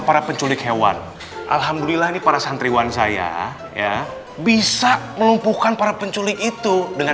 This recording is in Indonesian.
para penculik hewan alhamdulillah nih para santriwan saya ya bisa melumpuhkan para penculik itu dengan